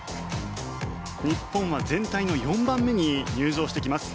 日本は全体の４番目に入場してきます。